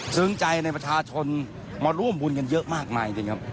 ซึ้งใจในประชาชนมาร่วมบุญกันเยอะมากมายจริงครับ